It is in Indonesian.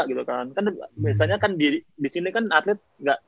biasanya kan disini kan atlet